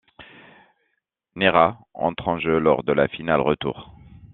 Neira entre en jeu lors de la finale retour.